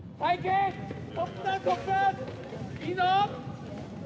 いいぞ！